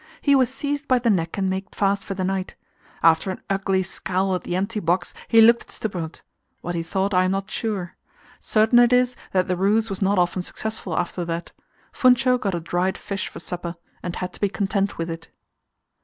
He was seized by the neck and made fast for the night. After an ugly scowl at the empty box, he looked at Stubberud; what he thought, I am not sure. Certain it is that the ruse was not often successful after that. Funcho got a dried fish for supper, and had to be content with it.